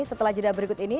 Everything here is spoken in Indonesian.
setelah jeda berikut ini